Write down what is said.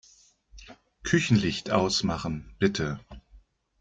Küchenlicht ausmachen, bitte.